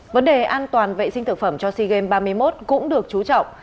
vấn đề an toàn vệ sinh thực phẩm cho sea games ba mươi một cũng được chú trọng